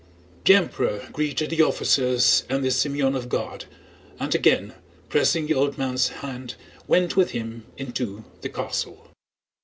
The Emperor greeted the officers and the Semënov guard, and again pressing the old man's hand went with him into the castle.